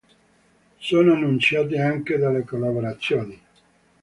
Sono annunciate anche delle collaborazioni.